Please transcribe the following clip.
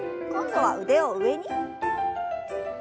今度は腕を上に。